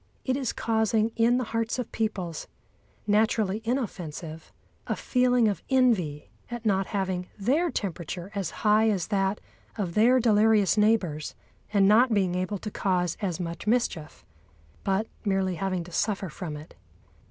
It is causing in the hearts of peoples, naturally inoffensive, a feeling of envy at not having their temperature as high as that of their delirious neighbours and not being able to cause as much mischief, but merely having to suffer from it.